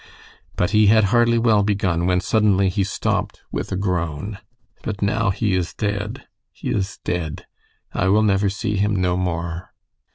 But he had hardly well begun when suddenly he stopped with a groan. "But now he is dead he is dead. I will never see him no more."